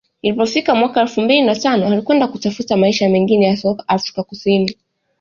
ilipofika mwaka elfu mbili na tano alikwenda kutafuta maisha mengine ya soka Afrika Kusini